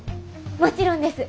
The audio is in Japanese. もちろんです。